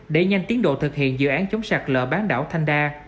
để nhanh tiến độ thực hiện dự án chống sạt lỡ bán đảo thanh đa